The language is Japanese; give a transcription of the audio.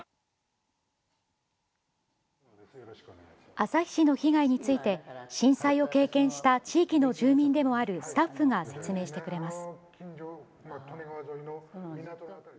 旭市の被害について震災を経験した地域の住民でもあるスタッフが説明してくれます。